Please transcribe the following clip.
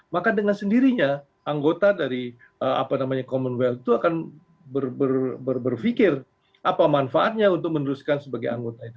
maka dengan sendirinya anggota dari commonwealth itu akan berpikir apa manfaatnya untuk meneruskan sebagai anggota itu